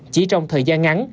chỉ trong thời gian ngắn